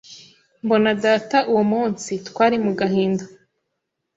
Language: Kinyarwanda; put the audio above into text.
mbona data uwo munsi (twari mu gahinda).